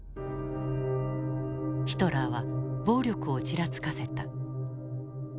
ヒトラーは暴力をちらつかせた。